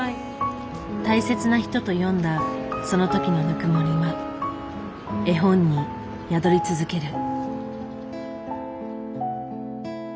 大切な人と読んだそのときのぬくもりは絵本に宿り続ける。